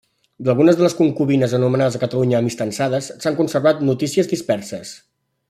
D’algunes de les concubines, anomenades a Catalunya amistançades, s’han conservat notícies disperses.